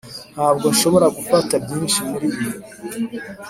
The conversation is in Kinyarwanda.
ntabwo nshobora gufata byinshi muribi.